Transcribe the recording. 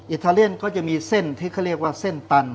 ทาเลียนก็จะมีเส้นที่เขาเรียกว่าเส้นตัน